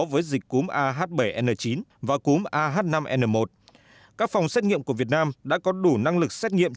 với dịch cúm ah bảy n chín và cúm ah năm n một các phòng xét nghiệm của việt nam đã có đủ năng lực xét nghiệm